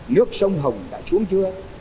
nước sông hồng đã xuất hiện